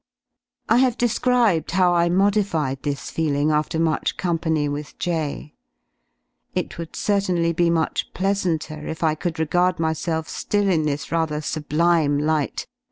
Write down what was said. I have described how I modified this feeling after much company with J It would certainly he much pleasanter if I could regard myself ^ill in this rather sublime light as